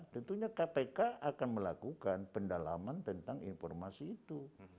tentunya kpk akan melakukan pendalaman tentang informasi itu